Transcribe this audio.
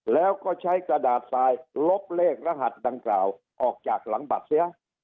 แล้วก็ใช้กระดาษทรายลบเลขรหัสดังกล่าวออกจากหลังบัตรเสีย